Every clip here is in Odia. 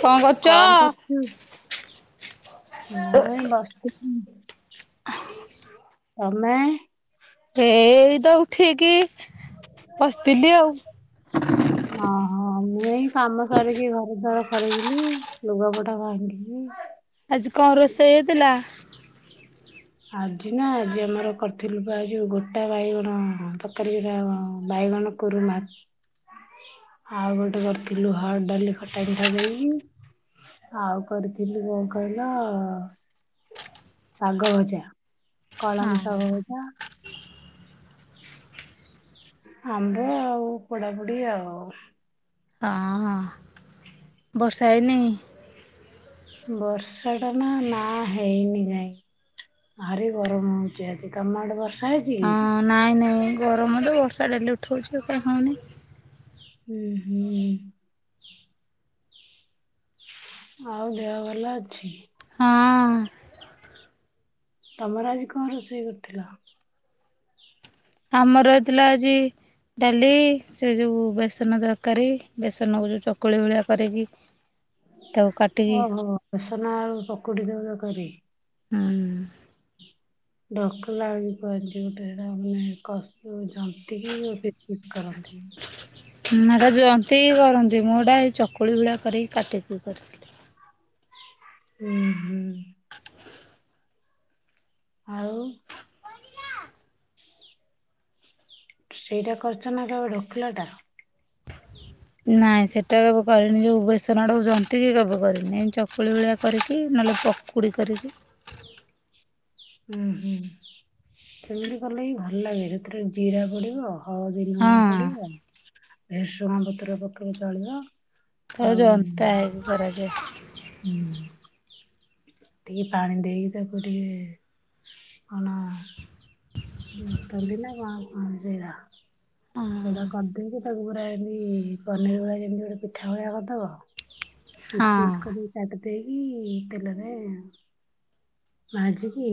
କଣ କରୁଛ? କଣ କରୁଛୁ? ମୁଁ ଏଇ ବସିଥିଲି। ତମେ ଠିକ୍ କି ବସିଥିଲି ଆଉ ଓହୋ ମୁଁ ଏଇ କାମ ସରିକି ଘର ଦ୍ଵାର ଖରିକିଲି ଲୁଗାପଟା ଭାଙ୍ଗି ଆଜି କଣ ରୋଷେଇ ହେଇଥିଲା? ଆଜି ନା ଆଜି ଆମର କରିଥିଲୁ ବା ଯୋଉ ଗୋଟା ବାଇଗଣ ତରକାରୀ ଗୁଡା ବାଇଗଣ କରୁମା ଆଉ ଗୋଟେ କରିଥିଲୁ ହରଡ ଡାଲି ଖଟା ମିଠା ଦେଇକି ଆଉ କରିଥିଲୁ କଣ କହିଲ ଶାଗ ଭଯା କଳମ ହଁ ଶାଗ ଭଜା [inaudible] ଆମ୍ଭ ଆଉ ପୋଡ଼ା ପଡି ଆଉ ଓହୋ ବର୍ଷା ହେଇନି ବର୍ଷା ଟା ନା ନା ହେଇନି କାଇଁ ଭାରି ଗରମ ହଉଚି ଆଜି ତମ ଆଡେ ବର୍ଷା ହେଇଛି ହଁ କି? ନାଇଁ ନାଇଁ ଗରମରୁ ବର୍ଷା ଡେଲି ଉଠଉଛି କାଁଇ ହେଉନି ହୁଁ ହୁଁ ଆଉ ଦେହ ଭଲ ଅଛି ହଁ ତମର ଆଜି କଣ ରୋଷେଇ କରିଥିଲ? ଆମର ହେଥିଲା ଆଜି ଡାଲି ସେ ଯଉ ବେସନ ତରକାରୀ ବେସନକୁ ଯେଉଁ ଚକୁଳି ଭଳିଆ କରିକି ତ କାଟିକି ଆଉ ପକୁଡି ତରକାରୀ ହୁଁ। [unintelligible] ନା ଏଟା ଯନ୍ତିିକି କରନ୍ତି ମୁଁ ଏଟା ଏଇ ଚକୁଳି ଭଳିଆ କରିକି କାଟିକି କରିଥିଲି। [unintelligible] ଆଉ। ସେଇଟା କରିଛ ନା କେଉ ଢୋକିଲ ଟା ନାଇଁ ସେଟା କେବେ କରିନି ଯୋଉ ବେସନା ଆଡକୁ ଜନ୍ତି କିି କେବେ କରିନି ଚକୁଳି ଭଳିଆ କରିକି ନହେଲେ ପକୁଡି କରିକି। ହୁଁ ହୁଁ ସେମିତି କଲେ ହିଁ ଭଲ ଲାଗେ ସେଥିରେ ଜିରା ପଡିବ। ହଁ [unintelligible] ଭେରସୁଂଗା ପତ୍ର ପକେଇଲେ ଚଳିବ। ତାକୁ ଆଉ ଯନ୍ତା ହେଇକି କରାଯାଏ। ହୁଁ ଟିକେ ପାଣି ଦେଇକି ତାକୁ ଟିକେ କଣ [unintelligible] ସେଇଟା ହଁ କରଦେଇକି ତାକୁ ପୁରା ଏମିତି ପନିର ଭଳିଆ ଯେମିତି ଗୋଟେ ପିଠା ଭଳିଆ କରିଦବ। ପିସ ହଁ ପିସ କରିକି କାଟି ଦେଇକି ତେଲରେ ଭାଜିକି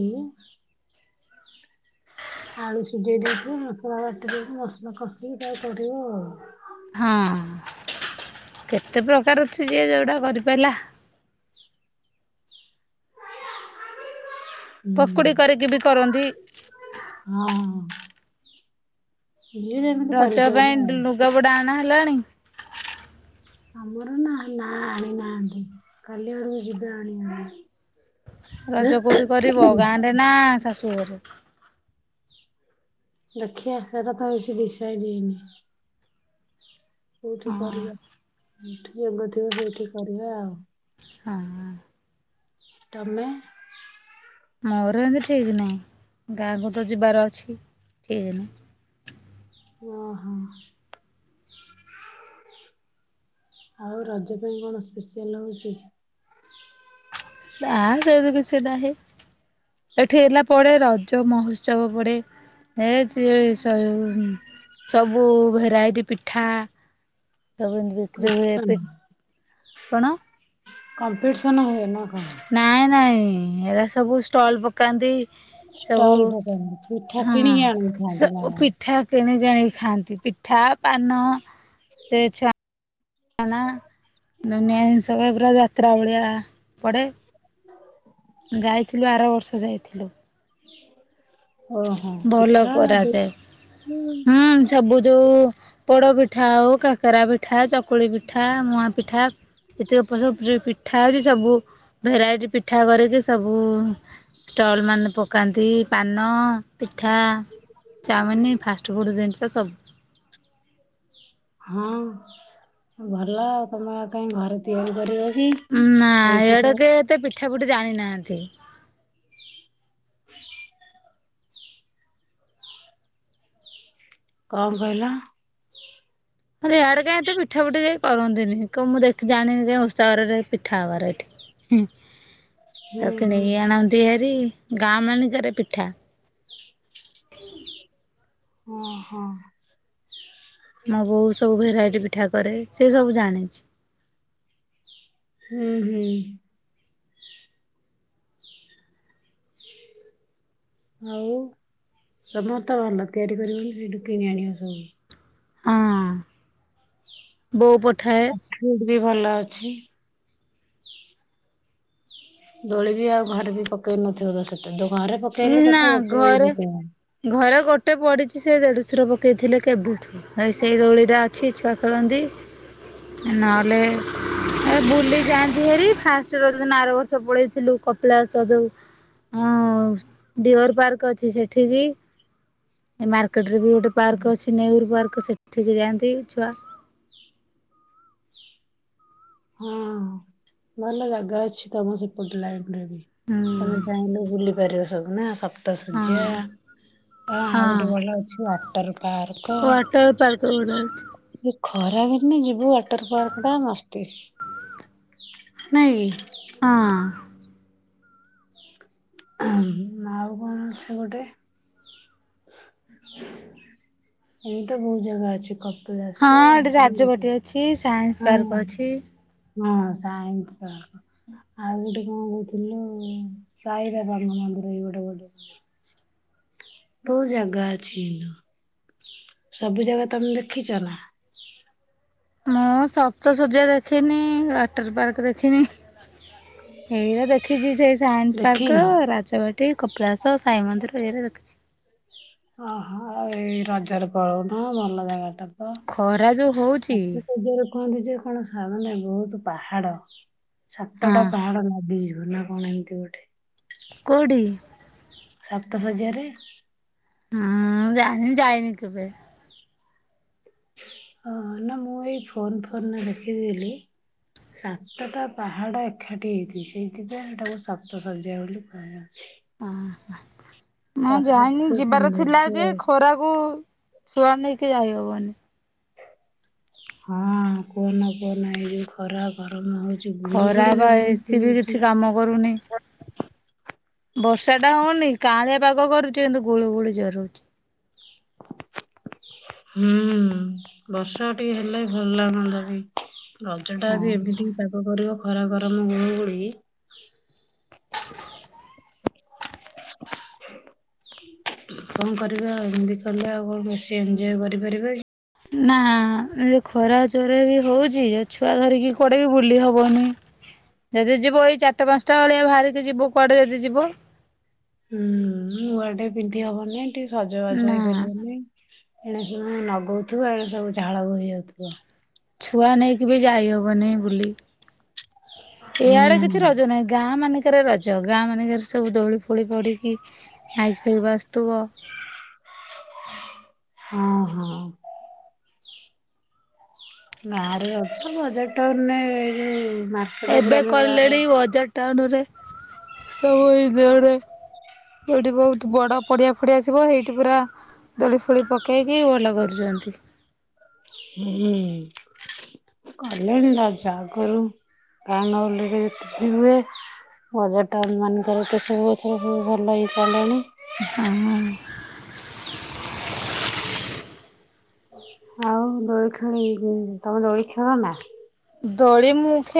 ଆଳୁ ସିଝେଇ ଦେଇଥିବ ମସଲା ବାଟି ଦେଇକି ମସଲା କଷିକି ତାକୁ କରିବ ଆଉ। ହଁ କେତେ ପ୍ରକାର ଅଛି ଯିଏ ଯୋଉଟା କରିପାରିଲା। ହୁଁ ପକୁଡି କରିକି ବି କରନ୍ତି। ହଁ ଯିଏ ଯେମିତି ରଜ କରିପାରିଲା ପାଇଁ ଆଉ। ଲୁଗା ପଟା ଆଣା ଆଣିଲଣି? ଆମର ନା ନା ଆଣିନାହାନ୍ତି କାଲି ଆଡକୁ ଯିବେ ଆଣିବାକୁ। ରଜ କଉଠି କରିବ ଗାଁରେ ନା ଶାଶୁ [unintelligible] ଦେଖିଆ, ସେଇରା ତ ଆଉ କିଛି ଡିସାଇଡ଼ ହେଇନି। କୋଉଠି ହଁ କରିବା? ଯଉଠି ଯୋଗ ଥିବ ସେଇଠି କରିବା ଆଉ। ହଁ। ତମେ? ମୋର ଏମତି ଠିକ ନାହିଁ। ଗାଁକୁ ତ ଯିବାର ଅଛି। ହୁଁ, ଠିକ ନା? ଓ ହଁ। ଆଉ ରଜ ପାଇଁ କଣ ସ୍ପେସିଆଲ ହଉଛି? ଆ ସେମିତି କିଛି ନାହିଁ, ଏଠି ହେଲା ପଡେ ରଜ ମହୋତ୍ସବ ପଡେ, ଏ ଚିଏ ସବୁ ସବୁ ଭେରାଇଟି ପିଠା ସବୁ ଏମତି ବିକ୍ରି ହୁଏ। ପି କମ୍ପିଟିସନ କଣ? କମ୍ପିଟିସନ ହୁଏ ନା କ ନାଇଁ, ନାଇଁ ଏଇରା ସବୁ ଷ୍ଟଲ୍ ପକାନ୍ତି ସବୁ ଷ୍ଟଲ୍ ପକାନ୍ତି। ପିଠା ହଁ କିଣିକି ଆଣିକି ଖାଆନ୍ତି ନା କଣ? ନିଜେ ଆଣି ଖାଆନ୍ତି। ପିଠା, ପାନ ସେ ଛୁଆ ଅନା ଦୁନିଆ ଜିନିଷ କ ପୁରା ଯାତ୍ରା ଭଳିଆ ପଡେ। ଯାଇଥିଲୁ ଆର ବର୍ଷ ଯାଇଥିଲୁ ଓହୋ ଭଲ ପିଠା କରାଯାଏ ଦେଇକି ହୁଁ ସବୁ ଯୋଉ ପୋଡ ପିଠା ଆଉ କାକରା ପିଠା ଚକୁ - ଚକୁଳି ପିଠା ମୁଆ ପିଠା ଏତିକ ସବୁ ପିଠା ହେଉଛି ସବୁ ଭେରାଇଟି ପିଠା କରିକି ସବୁ ଷ୍ଟଲ ମାନେ ପକାନ୍ତି ପାନ ପିଠା ଚାଉଓମିନ ଫାଷ୍ଟଫୁଡ଼୍ ଜିନିଷ ସବୁ ହଁ ଭଲ ଆଉ ତମେ କାହିଁ ଘରେ ତିଆରି କରିବେ ନା ଏଗୁଡାକ ଏତେ ପିଠା ପୁଠି ଜାଣିନାହାନ୍ତି [unintelligible] କଣ କହିଲ ଇଆଡେ କାଇଁ ଏତେ ପିଠା ପୁଠି କେଇ କରନ୍ତିନି କଣ ମୁଁ ଦେଖି ଜାଣିନି କାଇ ଉଷାହରରେ ପିଠା ହବାର ଏଠିଁ ହୁଁ ତା କେ ହୁଁ ନେଇ ଆଣନ୍ତି ହାରି ଗାଁ ମାନକରେ ପିଠା ଓଁ ହୋ ମୁଁ ବୋଉ ସବୁ ଭେରାଇଟି ପିଠା କରେ ସେ ସବୁ ଜାଣିଛି। ହୁଁ ହୁଁ। ଆଉ [unintelligible] ଭଲ ତିଆରି କରିବନି ସେଇଠୁ କିଣି ଆଣିବା ସବୁ। ହଁ ବୋଉ ପ [unintelligible] ଭଲ ଅଛି ଦୋଳି ବି ଆଉ ଘରେ ବି ପକେଇ ନଥିବ ତ ସେତେ - ଘରେ ପକେଇଲେ ନା କେତେ ଗୋଟେ ଘରେ [unintelligible] ଘରେ ଗୋଟେ ପଡ଼ିଛି ସେ ଦେଢ଼ସୁର ପକେଇଥିଲେ କେବେ ଏଇ ସେଇ ଗଳି ଟା କିଛି ଛୁଆ ଖେଳନ୍ତି ନହେଲେ ବୁଲି ଯାଆନ୍ତି ହେରି ଫାଷ୍ଟ ରଜ ଦିନ ଆର ବର୍ଷ ପଳାଇଥିଲୁ କପିଳାସ ଯେଉ ଡିଅର ପାର୍କ ଅଛି ସେଠିକି ମାର୍କେଟ ରେ ବି ଗୋଟେ ପାର୍କ ଅଛି ନେହୁର ପାର୍କ ସେଠିକି ଯାଆନ୍ତି ଛୁଆ। ହଁ ଭଲ ଜାଗା ଅଛି ତମ ସେପଟ ଲାଇନ୍। ହୁଁ ତମେ ଚାହିଁଲେ ବୁଲି ପାରିବ। ସବୁ ନା ରକ୍ତ ଶଯ୍ୟା ହଁ ଆଉ ଗୋଟେ ଭଲ ଅଛି ଆ ଟା ରୁ ୱେଟର ପାର୍କ ଗୋଟେ ଅଛି। ଏ ଖରା ବି ଆମେ ଯିବୁ ୱାଟର ପାର୍କ ଟା ମସ୍ତି ନାଇଁ ହଁ। ମା ଆଉ କଣ ଅଛି ଗୋଟେ ଏମିତି ବହୁତ ଜାଗା ଅଛି। କପିଳାସ ହଁ ଏଠି ରାଜବାଟି ଅଛି। ସାଇନ୍ସ ହଁ ପାର୍କ ଅଛି। ହଁ ସାଇନ୍ସ ପାର୍କ ଆଉ ଗୋଟେ କଣ କହୁଥିଲୁ ସହିରାବାଗ ମନ୍ଦିର ଏଇ ଗୋଟେ କୋଉଠି ଅଛି। ବହୁତ ଜାଗା ଅଛି କିନ୍ତୁ ସବୁ ଜାଗା ତମେ ଦେଖିଛ ନା? ମୁଁ ସପ୍ତଶଯ୍ୟା ଦେଖିନି ୱାଟର ପାର୍କ ଦେଖିନି ଏଇଟା ଦେଖିଛି ସେ ସାଇନ୍ସ ଦେଖିନ? ପାର୍କ ରାଜବାଟି କପିଳାସ ସାଇ ମନ୍ଦିର। ବରେ ଦେଖିଛି। ଅହୋ ଏଇ ରଜରେ ପଳଉନ ଭଲ ଜାଗାଟା ଖରା ଯୋଉ ହଉଛି କୁହନ୍ତିୁ ଯେ କଣ ସମାନେ ବହୁତ ପାହାଡ ହଁ ସାତଟା ପାହାଡ ଲାଗିଯିବ ନା କଣ ଏମିତି ଗୋଟେ କୋଉଠି? ସପ୍ତଶଯ୍ୟା ରେ ହୁଁ ଜାଣିନି ଯାଇନି କେବେ। ହଁ ନା ମୁଁ ଏଇ ଫୋନ ଫୋନ ଦେଖିଥିଲି ସାତଟା ପାହାଡ ଏକାଠି ହେଇଛି ସେଇଥିପାଇଁ ସେଟାକୁ ସ୍ତ ସଜା ବୋଲି କୁହାଯାଉଛି। ଉଁ ହୁଁ। ହଁ ଯାଇନି ପ୍ରାକୃତିକ ଯିବାର ଥିଲା ସୌନ୍ଦର୍ଯ୍ୟ ଯେ ଆଉ। ଖରାକୁ ଛୁଆ ନେଇକି ଯାଇହବନି। ହଁ କୁହନା କୁହନା ଏ ଯୋଉ ଖରା ଗରମ ହଉଛି ଗୁଳୁ ଖରା ଗୁଳି ବା ବି ବହୁତ ଏସି ବି ହଉଛି। କିଛି କାମ କରୁନି ବର୍ଷା ଟା ହଉନି କାଳେ ପାଗ କରୁଛି କିନ୍ତୁ ଗୁଳୁ ଗୁଳୁ ଜୋରେ ହେଉଛି। ହୁଁ ବର୍ଷା ଟିକେ ହେଲେ ଭଲ ଲାଗନ୍ତା ବି। ରଜ ଟା ହଁ ଯଦି ଏମିତିି ପାଗ କରିବ ଖରା ଗରମ ଗୁଳୁଗୁଳି କଣ କରିବାଆଉ ଏମିତି କଲେ ଆଉ କଣ ବେଶୀ ଏଞ୍ଜୟ୍ କରିପାରିବା କି? ନା ଏ ଖରା ଜୋରେ ବି ହଉଛି ଛୁଆ ଧରିକି କୁଆଡେ ବି ବୁଲି ହବନି ଯଦି ଯିବ ଏଇ ଚାରିଟା ପାଞ୍ଚଟା ଭେଳିଆ ବାହାରିକି ଯିବ କୁଆଡେ ଯଦି ଯିବ। ହୁଁ, ନୁଆଟେ ପିନ୍ଧି ହବନି। ଟିକେ ସଜବାଜ ନା ହେଇପାରିବନି। ଏଣେ ସବୁ ନଗଉଥିବ ଏଣ ସବୁ ଝାଳ ବୋହିଯାଉଥିବ। ଛୁଆ ନେଇକି ବି ଯାଇ ହବନି ବୁଲି। ଏଇଆଡେ କିଛି ହୁଁ। ରଜ ନାହିଁ, ଗାଁ ମାନଙ୍କରେ ରଜ, ଗାଁ ମାନଙ୍କରେ ସବୁ ଦୋଳି ଫୋଳି ପଡିକି, ମାଇକି ଫାଇକ ବାଜୁଥିବ। ହଁ ହଁ। ଗାଁରେ ଅଛ, ବଜାର ଟାଉନ୍ ରେ ଏଇ ଯୋଉ ମାର୍କେଟ ଉପରେ ଏବେ ଆମର ଯାହାର କଲେଣି ବଜାର ଟାଉନ୍ ସବୁ ଏଇ ଯଉରେ, ଯଉଠି ବହୁତ ବଡ ପଡିଆ ଫଡିଆ ଥିବ, ସେଇଠି ପୁରା ଦୋଳି ଫୁଳି ପକେଇକି ଭଲ କରୁଛନ୍ତି। ହୁଁଁ, କଲେଣି ରଜ ଆଗରୁ ଟାଉନ୍ ହଲ୍ ରେ ବି ହୁଏ, ବଜାର ଟାଉନ୍ ମାନଙ୍କର ତ ସବୁଥର ଭଲ ହେଇପାରିଲଣି। ହଁ ହ। ଆଉ ଦୋଳି ଖେଳି, [unintelligible] ତମେ ଦୋଳି ଖେଳ ନା? ଦୋଳି ମୁଁ ଖେ